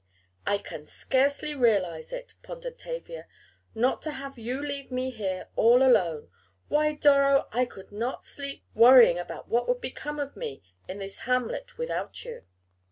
"I can scarcely realize it," pondered Tavia, "not to have you leave me here all alone! Why, Doro, I could not sleep nights, worrying about what would become of me in this hamlet without you."